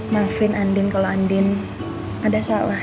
maafin andien kalau andien ada salah